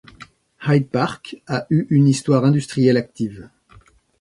Hyde Park a eu une histoire industrielle active.